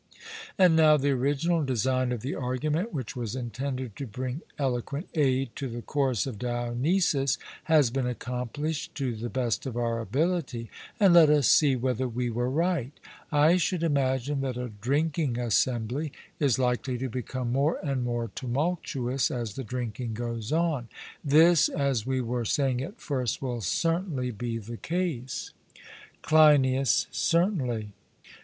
And now the original design of the argument which was intended to bring eloquent aid to the Chorus of Dionysus, has been accomplished to the best of our ability, and let us see whether we were right: I should imagine that a drinking assembly is likely to become more and more tumultuous as the drinking goes on: this, as we were saying at first, will certainly be the case. CLEINIAS: Certainly.